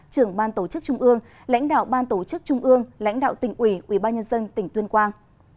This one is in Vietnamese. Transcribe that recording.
trưởng ban tổ chức trung ương lãnh đạo ban tổ chức trung ương lãnh đạo tỉnh ủy ủy ban nhân dân tỉnh tuyên quang